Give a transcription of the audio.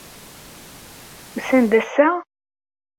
Usan-d ass-a?